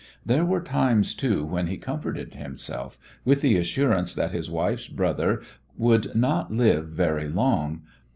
There were times, too, when he comforted himself with the assurance that his wife's brother would not live very long.